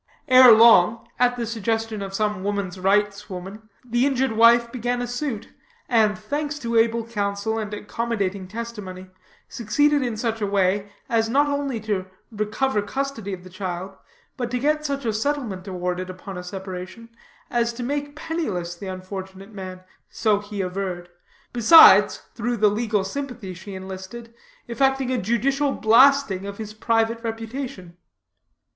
Ere long, at the suggestion of some woman's rights women, the injured wife began a suit, and, thanks to able counsel and accommodating testimony, succeeded in such a way, as not only to recover custody of the child, but to get such a settlement awarded upon a separation, as to make penniless the unfortunate man (so he averred), besides, through the legal sympathy she enlisted, effecting a judicial blasting of his private reputation.